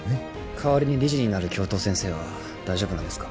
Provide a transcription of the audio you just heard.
代わりに理事になる教頭先生は大丈夫なんですか？